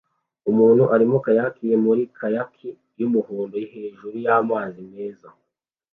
Umuntu arimo kayakie muri kayaki yumuhondo hejuru yamazi meza